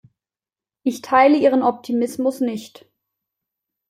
Ich teile Ihren Optimismus nicht.